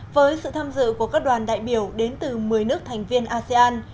với sự tham dự của các đoàn đại biểu đến từ một mươi nước thành viên asean